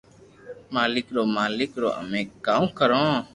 مالڪ رو مالڪ رو امي ڪاو ڪرو